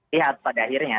lihat pada akhirnya